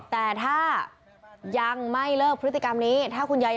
แต่ถ้ายังไม่เลิกพฤติกรรมนี้